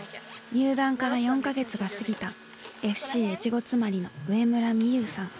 入団から４カ月が過ぎたＦＣ越後妻有の上村美優さん。